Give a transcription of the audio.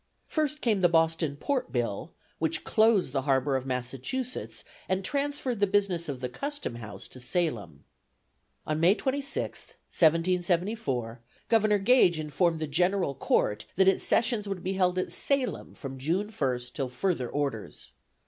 First came the Boston Port Bill, which closed the harbor of Massachusetts and transferred the business of the custom house to Salem. On May 26th, 1774, Governor Gage informed the General Court that its sessions would be held at Salem from June first till further orders.